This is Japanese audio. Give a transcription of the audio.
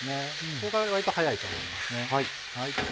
ここから割と早いと思いますね。